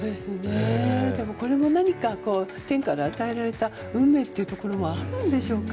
これも何か天から与えられた運命っていうところもあるんでしょうか。